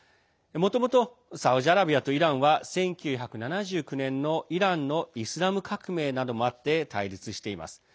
もともとサウジアラビアとイランは１９７９年のイランのイスラム革命などもあって対立しています。